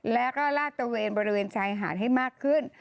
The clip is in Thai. แล้วก็ลาดตะเวนบริเวณชายหาดให้มากขึ้น